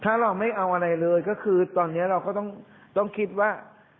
ถ้าเราไม่เอาอะไรเลยก็คือตอนนี้เราก็ต้องคิดว่า